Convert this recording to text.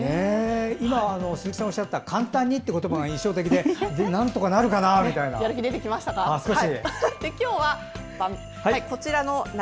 今、鈴木さんがおっしゃった簡単という言葉が印象的でなんとかなるかなみたいな。